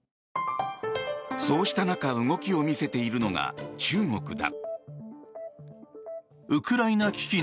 そうした中動きを見せているのが中国だ。